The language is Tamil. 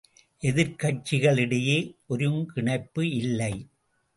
எதிர்க் கட்சிகளிடையே ஒருங்கிணைப்பு இல்லை!